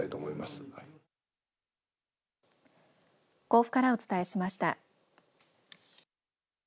甲府からお伝えしました。